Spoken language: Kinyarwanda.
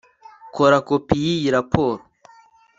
Kora kopi yiyi raporo